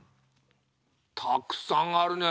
たくさんあるね。